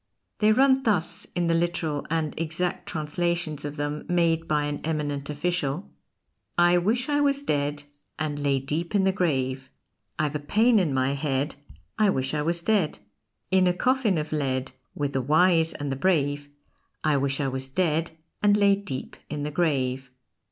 They run thus in the literal and exact translations of them made by an eminent official: I wish I was dead, And lay deep in the grave. I've a pain in my head, I wish I was dead. In a coffin of lead With the Wise and the Brave I wish I was dead, And lay deep in the grave.